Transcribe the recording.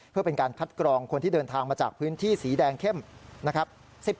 เพื่อเป็นการคัดกรองคนที่เดินทางมาจากพื้นที่สีแดงเข้มนะครับ